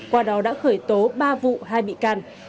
qua đó đã khởi tố ba vụ hai bị can